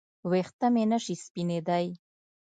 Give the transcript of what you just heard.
ویښته مې نشي سپینېدای